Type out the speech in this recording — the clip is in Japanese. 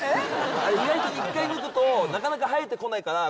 あれ意外と１回抜くとなかなか生えてこないから。